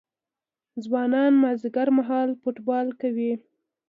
ځوانان مازدیګر مهال فوټبال کوي.